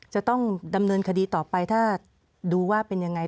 จะต้องดำเนินคดีต่อไปถ้าดูว่าเป็นยังไง